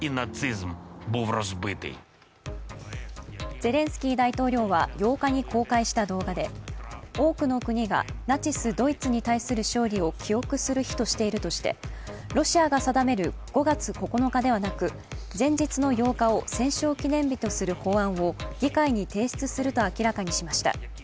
ゼレンスキー大統領は８日に公開した動画で多くの国がナチス・ドイツに対する勝利を記憶する日としているとして、ロシアが定める５月９日ではなく前日の８日を戦勝記念日とする法案を議会に提出すると明らかにしました。